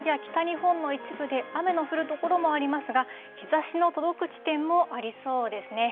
あすの朝は、関東や北日本の一部で雨の降る所もありますが、日ざしの届く地点もありそうですね。